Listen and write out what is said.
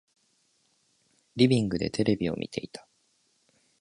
リビングでテレビを見ていた。